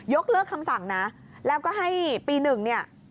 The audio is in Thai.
เลิกคำสั่งนะแล้วก็ให้ปี๑เนี่ย